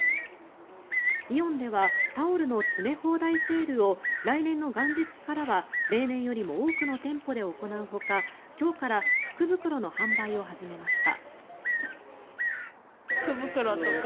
イオンではタオルの詰め放題セールを来年の元日からは例年よりも多くの店舗で行うほか今日から福袋の販売を始めました。